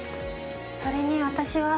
それに私は。